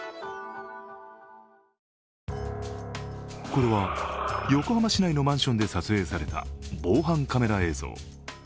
これは横浜市内のマンションで撮影された防犯カメラ映像。